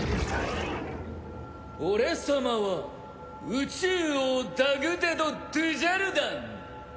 俺様は宇蟲王ダグデド・ドゥジャルダン。